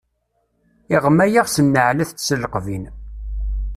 Iɣma-yaɣ s nneɛlat d tesleqbin.